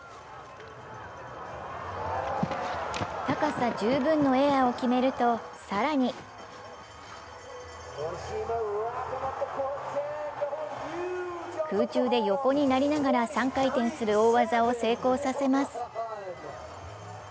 高さ十分のエアーを決めると更に空中で横になりながら３回転する大技を成功させます。